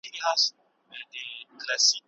د ناوي کور ته بايد صرف ضروري سوغاتونه يوسئ.